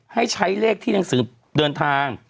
ให้ใช้เลขที่หนังสือเดินทาง